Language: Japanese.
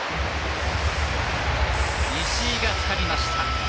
石井がつかみました。